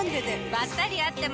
ばったり会っても。